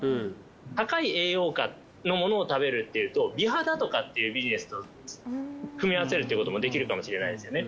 高い栄養価のものを食べるっていうと美肌とかっていうビジネスと組み合わせるっていうこともできるかもしれないですよね。